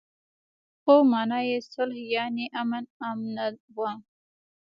خو مانا يې صلح يانې امن آمنه وه.